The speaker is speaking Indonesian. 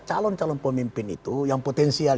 calon calon pemimpin itu yang potensial